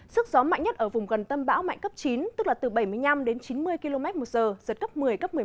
sức gió mạnh nhất ở vùng gần tâm bão mạnh cấp chín tức là từ bảy mươi năm đến chín mươi km một giờ giật cấp một mươi cấp một mươi một